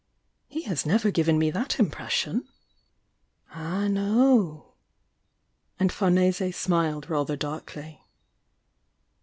'He has never given me that im pression." "Ah, no!" and Farnese smiled rather darkly.